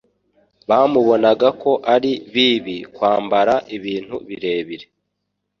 Bamubonaga ko ari bibi kwambara ibintu birebire